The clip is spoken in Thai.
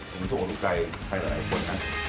มันจะโอลุใจใครหลายคน